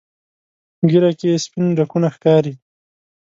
ږیره کې یې سپین ډکونه ښکاري.